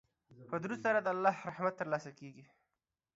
په درود سره د الله رحمت ترلاسه کیږي.